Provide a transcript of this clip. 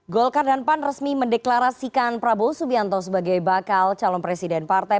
golkar dan pan resmi mendeklarasikan prabowo subianto sebagai bakal calon presiden partai